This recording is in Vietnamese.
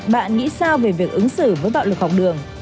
bạn nghĩ sao về việc ứng xử với bạo lực học đường